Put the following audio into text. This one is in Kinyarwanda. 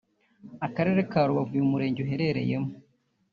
Akarere ka Rubavu uyu murenge uherereyemo